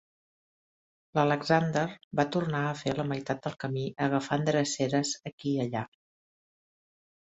L'Alexander va tornar a fer la meitat del camí agafant dreceres aquí i allà.